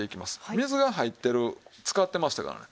水が入ってる漬かってましたからね。